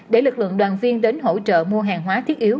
để lực lượng đoàn viên đến hỗ trợ mua hàng hóa thiết yếu